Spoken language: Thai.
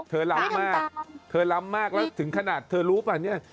ล้ำมากเธอล้ำมากแล้วถึงขนาดเธอรู้ป่ะเนี่ย